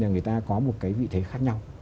người ta có một vị thế khác nhau